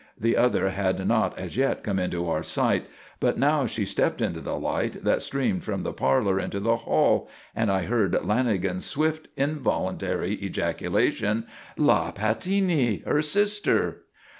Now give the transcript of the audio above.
The other had not as yet come into our sight, but now she stepped into the light that streamed from the parlour into the hall and I heard Lanagan's swift, involuntary ejaculation: "_La Pattini! Her sister!